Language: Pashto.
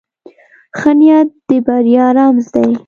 ښه نیت د بریا رمز دی.